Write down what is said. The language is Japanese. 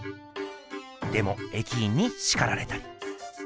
でも駅員にしかられたり。